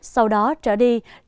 sau đó trở đi